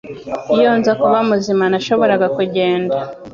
Iyo nza kuba muzima, nashoboraga kugenda.